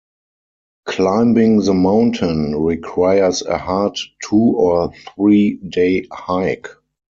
Climbing the mountain requires a hard two- or three-day hike.